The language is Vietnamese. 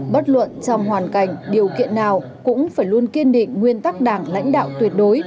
bất luận trong hoàn cảnh điều kiện nào cũng phải luôn kiên định nguyên tắc đảng lãnh đạo tuyệt đối